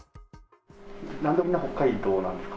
なんでみんな北海道なんですか？